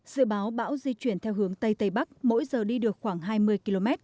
dự báo bão di chuyển theo hướng tây tây bắc mỗi giờ đi được khoảng hai mươi km